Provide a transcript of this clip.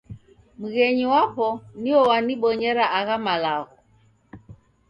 Mghenyi wapo nio wanibonyera agha malagho